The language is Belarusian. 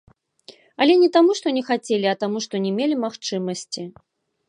Але не таму, што не хацелі, а таму што не мелі магчымасці.